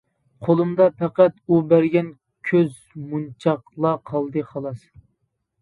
قولۇمدا پەقەت ئۇ بەرگەن كۆز مونچاقلا قالدى خالاس.